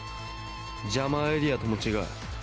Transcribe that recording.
ジャマーエリアとも違う。